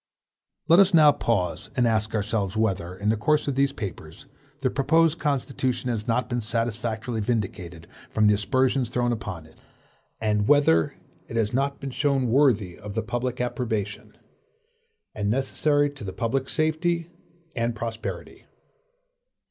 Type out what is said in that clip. Let us now pause and ask ourselves whether, in the course of these papers, the proposed Constitution has not been satisfactorily vindicated from the aspersions thrown upon it; and whether it has not been shown to be worthy of the public approbation, and necessary to the public safety and prosperity.